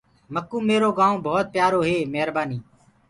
مڪوُ ميرو گآئونٚ ڀوت پيآرو هي۔ ميربآني۔